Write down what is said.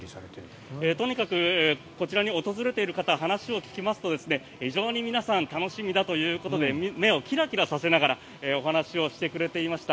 とにかくこちらに訪れている方に話を聞きますと非常に皆さん楽しみだということで目をキラキラさせながらお話をしてくれました。